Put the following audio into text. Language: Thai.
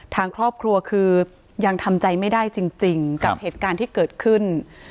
ทางครอบครัวคือยังทำใจไม่ได้จริงกับเหตุการณ์ที่เกิดขึ้น